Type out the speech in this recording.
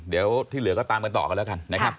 เดี๋ยวที่เหลือก็ตามกันต่อกันแล้วกันนะครับ